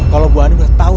ntar kita berhubung mau